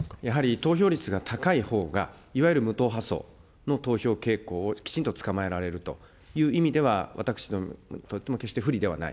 投票率が高いほうが、いわゆる無党派層の投票傾向をきちんとつかまえられるという意味では、私どもにとっても決して不利ではない。